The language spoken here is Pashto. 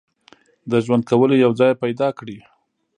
د ژوند کولو یو ځای پیدا کړي.